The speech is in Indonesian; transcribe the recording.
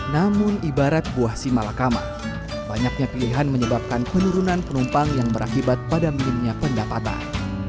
namun ibarat buah si malakama banyaknya pilihan menyebabkan penurunan penumpang yang berakibat pada minimnya pendapatan